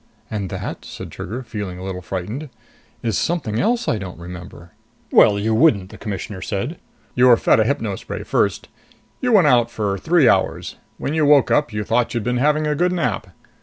"And that," said Trigger, feeling a little frightened, "is something else I don't remember!" "Well, you wouldn't," the Commissioner said. "You were fed a hypno spray first. You went out for three hours. When you woke up, you thought you'd been having a good nap.